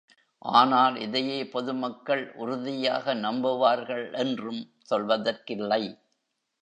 ஆனால் இதையே பொதுமக்கள் உ.றுதியாக நம்புவார்கள் என்றும் சொல்வதற்கில்லை.